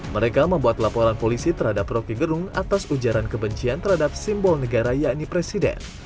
mereka membuat laporan polisi terhadap roky gerung atas ujaran kebencian terhadap simbol negara yakni presiden